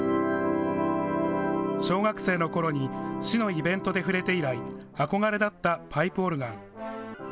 小学生のころに市のイベントで触れて以来、憧れだったパイプオルガン。